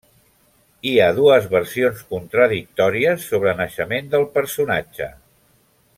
Hi ha dues versions contradictòries sobre naixement del personatge.